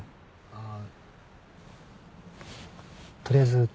ああ。